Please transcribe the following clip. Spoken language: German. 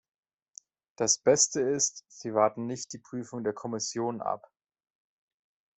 Das Beste ist, Sie warten nicht die Prüfung der Kommission ab.